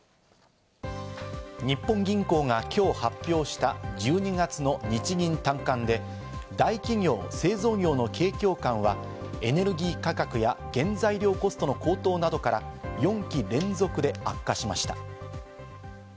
日本銀行が今日発表した１２月の日銀短観で、大企業・製造業の景況感はエネルギー価格や原材料コストの高騰などから４期連続で悪化しました。